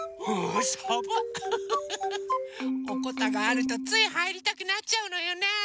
おこたがあるとついはいりたくなっちゃうのよね。